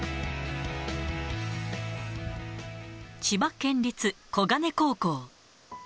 千葉県立小金高校。